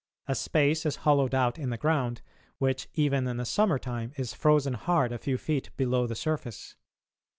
A space is hollowed out in the ground, which, even in the summer time, is frozen hard a few feet below the surface.